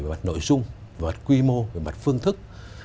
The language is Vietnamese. về mặt nội dung về quy mô về mặt phương thức